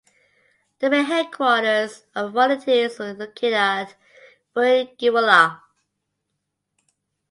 The main headquarters of the Volunteers was located at Fuengirola.